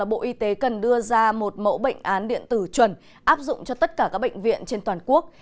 bộ y tế cần đưa ra một mẫu bệnh án điện tử chuẩn áp dụng cho tất cả các bệnh viện trên toàn quốc